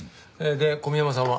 で小宮山さんは？